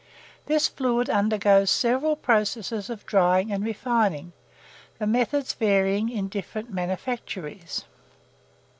This fluid undergoes several processes of drying and refining; the methods varying in different manufactories.